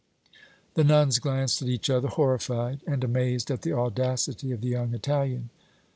The nuns glanced at each other, horrified and amazed at the audacity of the young Italian.